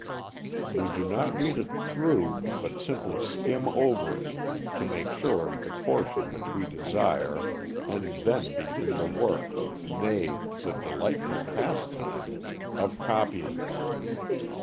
We do not read it through, but simply skim over it to make sure of the portion which we desire, and then begin the work nay, the delightful pastime of copying it.